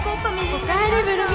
「おかえりブル美！」。